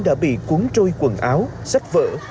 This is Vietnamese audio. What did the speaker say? đã bị cuốn trôi quần áo sách vỡ